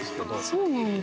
そうなんだ。